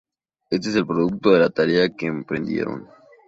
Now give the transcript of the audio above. Éste es el producto de la tarea que emprendieron.